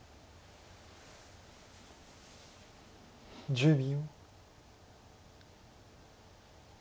１０秒。